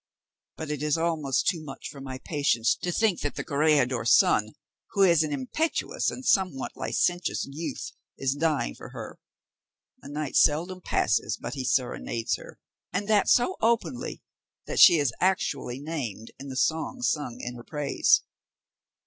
But it is almost too much for my patience, to think that the corregidor's son, who is an impetuous and somewhat licentious youth, is dying for her; a night seldom passes but he serenades her, and that so openly, that she is actually named in the songs sung in her praise.